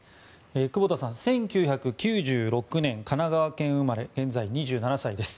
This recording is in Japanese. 久保田さん、１９９６年神奈川県生まれ現在２７歳です。